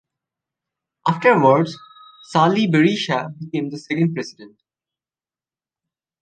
Afterwards, Sali Berisha became the second President.